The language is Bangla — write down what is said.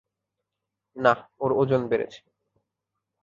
না, ওর ওজন বেড়েছে।